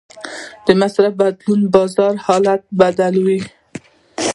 د مصرف بدلون د بازار حالت بدلوي.